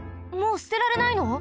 もうすてられないの？